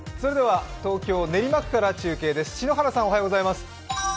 東京・練馬区から中継です。